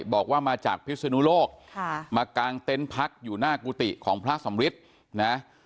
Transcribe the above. บอกว่ามาจากพิศนุโลกมากางเต็นต์พักอยู่หน้ากุฏิของพระสำริทนะ